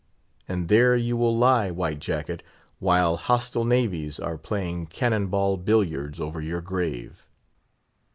And there you will lie, White Jacket, while hostile navies are playing cannon ball billiards over your grave.